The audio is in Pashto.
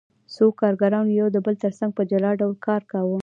څو کارګرانو یو د بل ترڅنګ په جلا ډول کار کاوه